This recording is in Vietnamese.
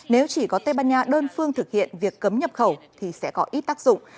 nếu chỉ có tây ban nha đơn phương thực hiện việc cấm nhập khẩu thì sẽ có ít tác dụng